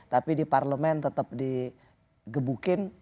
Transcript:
tapi di parlemen tetap di gebukin